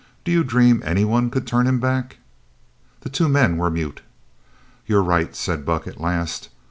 Do you dream any one could turn him back?" The two men were mute. "You're right," said Buck at last.